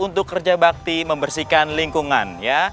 untuk kerja bakti membersihkan lingkungan